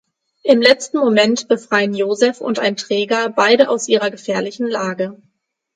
Im letzten Moment befreien Joseph und ein Träger beide aus ihrer gefährlichen Lage.